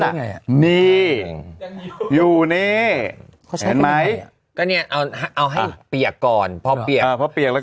ไงอ่ะนี่อยู่นี่เห็นไหมก็เนี่ยเอาเอาให้เปียกก่อนพอเปียกเออพอเปียกแล้ว